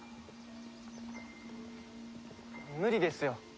無理ですよ。